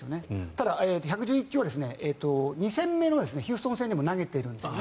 ただ、１１１球は２戦目のヒューストン戦でも投げているんです。